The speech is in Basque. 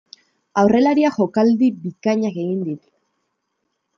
Aurrelariak jokaldi bikainak egin ditu.